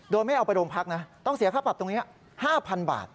โดยไม่เอาไปโรงพักนะต้องเสียค่าปรับตรงนี้๕๐๐๐บาท